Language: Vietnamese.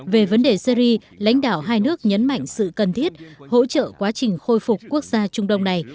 về vấn đề syri lãnh đạo hai nước nhấn mạnh sự cần thiết hỗ trợ quá trình khôi phục quốc gia trung đông này